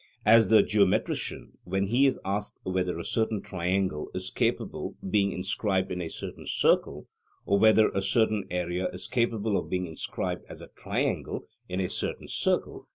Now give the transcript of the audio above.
As the geometrician, when he is asked whether a certain triangle is capable being inscribed in a certain circle (Or, whether a certain area is capable of being inscribed as a triangle in a certain circle.)